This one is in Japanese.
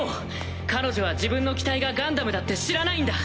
彼女は自分の機体がガンダムだって知らないんだ。